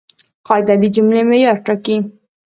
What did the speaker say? قاعده د جملې معیار ټاکي.